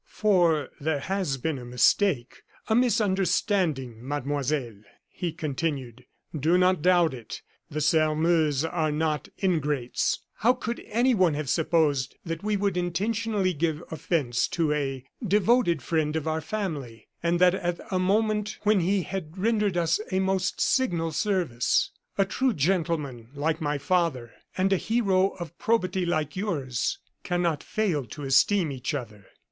"For there has been a mistake a misunderstanding, Mademoiselle," he continued. "Do not doubt it. The Sairmeuse are not ingrates. How could anyone have supposed that we would intentionally give offense to a devoted friend of our family, and that at a moment when he had rendered us a most signal service! A true gentleman like my father, and a hero of probity like yours, cannot fail to esteem each other.